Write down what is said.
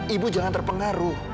ibu jangan terpengaruh